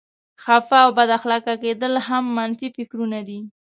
خفه او بد اخلاقه کېدل هم منفي فکرونه دي.